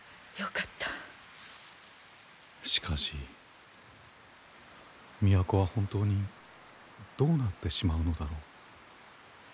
しかし都は本当にどうなってしまうのだろう。